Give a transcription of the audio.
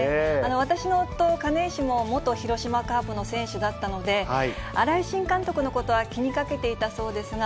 私の夫、金石も、元広島カープの選手だったので、新井新監督のことは気にかけていたそうですが、